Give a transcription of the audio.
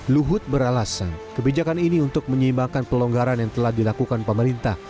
luhut beralasan kebijakan ini untuk menyeimbangkan pelonggaran yang telah dilakukan pemerintah